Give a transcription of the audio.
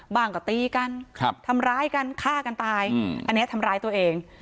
ก็ตีกันทำร้ายกันฆ่ากันตายอันนี้ทำร้ายตัวเอง